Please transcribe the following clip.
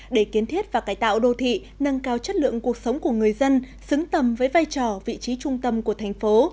để kiến thiết và cải tạo đô thị nâng cao chất lượng cuộc sống của người dân xứng tầm với vai trò vị trí trung tâm của thành phố